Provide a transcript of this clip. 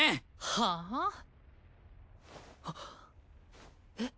はぁ？えっ？